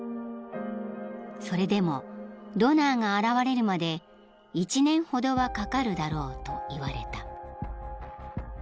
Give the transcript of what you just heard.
［それでもドナーが現れるまで１年ほどはかかるだろうと言われた］